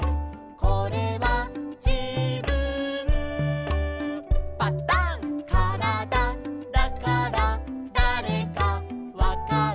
「これはじぶんパタン」「からだだからだれかわかる」